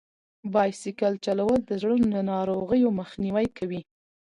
بایسکل چلول د زړه د ناروغیو مخنیوی کوي.